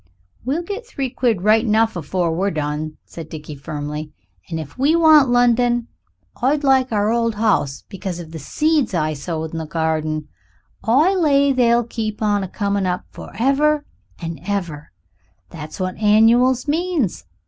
"We'll get three quid right enough afore we done," said Dickie firmly; "and if you want London, I'd like our old house because of the seeds I sowed in the garden; I lay they'll keep on a coming up, forever and ever. That's what annuals means.